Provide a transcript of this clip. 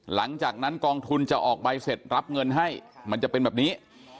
หลังจากนั้นกองทุนจะออกใบเสร็จรับเงินให้มันจะเป็นแบบนี้